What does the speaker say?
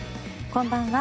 こんばんは。